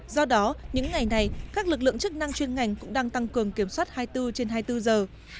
do đó những ngày này các lực lượng chức năng chuyên ngành cũng đang tăng cường kiểm soát hai mươi bốn trên hai mươi bốn giờ